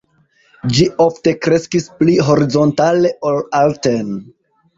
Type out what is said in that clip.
Ĝi ofte kreskis pli horizontale ol alten.